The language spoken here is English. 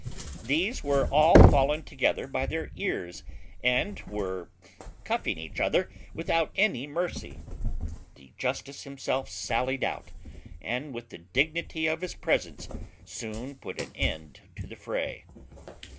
These were all fallen together by the ears, and were cuffing each other without any mercy. The justice himself sallied out, and with the dignity of his presence soon put an end to the fray.